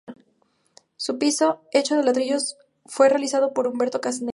Su piso, hecho de ladrillos, fue realizado por Humberto Canessa.